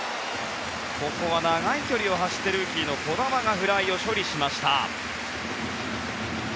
ここは長い距離を走ってルーキーの児玉がフライを処理しました。